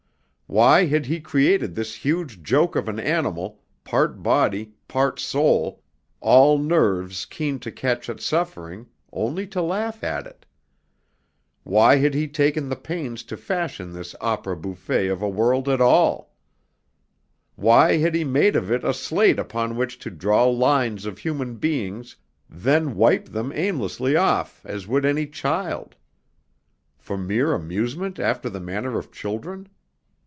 Why had He created this huge joke of an animal, part body, part soul, all nerves keen to catch at suffering, only to laugh at it? Why had He taken the pains to fashion this Opera Bouffe of a world at all? Why had He made of it a slate upon which to draw lines of human beings, then wipe them aimlessly off as would any child? For mere amusement after the manner of children?